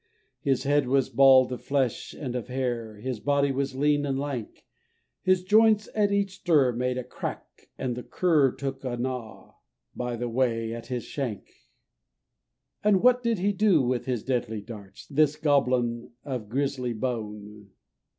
His head was bald of flesh and of hair, His body was lean and lank, His joints at each stir made a crack, and the cur Took a gnaw, by the way, at his shank. And what did he do with his deadly darts, This goblin of grisly bone?